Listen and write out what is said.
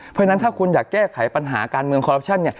เพราะฉะนั้นถ้าคุณอยากแก้ไขปัญหาการเมืองคอรัปชั่น